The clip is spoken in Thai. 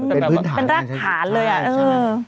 เป็นพื้นฐานของการใช้ชีวิตเป็นรักฐานเลย